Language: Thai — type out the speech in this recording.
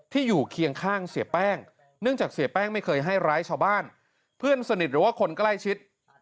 อยู่เคียงข้างเสียแป้งเนื่องจากเสียแป้งไม่เคยให้ร้ายชาวบ้านเพื่อนสนิทหรือว่าคนใกล้ชิด